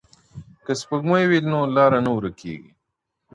که سپوږمۍ وي نو لاره نه ورکیږي.